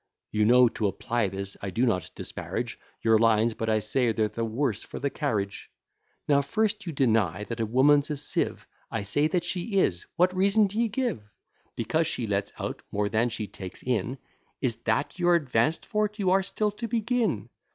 You know to apply this I do not disparage Your lines, but I say they're the worse for the carriage. Now first you deny that a woman's a sieve; I say that she is: What reason d'ye give? Because she lets out more than she takes in. Is't that you advance for't? you are still to begin.